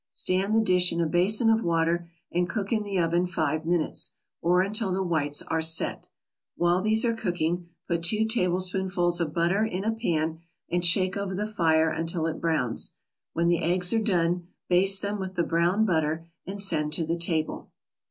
Stand the dish in a basin of water and cook in the oven five minutes, or until the whites are "set." While these are cooking, put two tablespoonfuls of butter in a pan and shake over the fire until it browns. When the eggs are done, baste them with the browned butter, and send to the table.